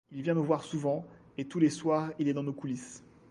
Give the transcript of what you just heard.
Il vient me voir souvent, et tous les soirs il est dans nos coulisses.